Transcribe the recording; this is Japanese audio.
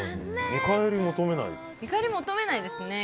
見返り、求めないですね。